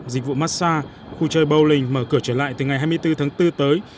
dịch vụ massage khu chơi bowling mở cửa trở lại từ ngày hai mươi bốn tháng bốn tới